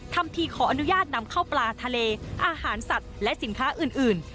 ทำทีขออนุญาตนำเข้าปลาทะเลอาหารสัตว์และสินค้าอื่น